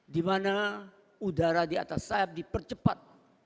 dimana udara diatas sayap dipercepat